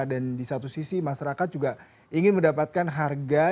dan di satu sisi masyarakat juga ingin mendapatkan harga